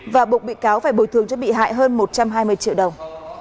và buộc bị cáo phải bồi thường cho bị hại hơn một trăm hai mươi triệu đồng